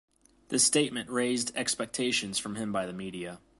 This statement raised expectations from him by the media.